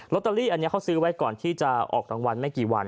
ตเตอรี่อันนี้เขาซื้อไว้ก่อนที่จะออกรางวัลไม่กี่วัน